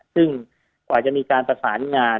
ซึ่งกว่าจะมีการประสานงาน